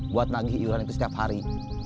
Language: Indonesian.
buat nagih iuran itu setiap hari